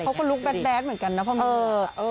เขาก็ลุกแบดเหมือนกันนะพ่อแม่